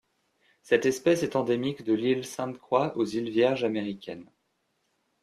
Cette espèce est endémique de l'île Sainte-Croix aux îles Vierges américaines.